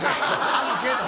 あるけど。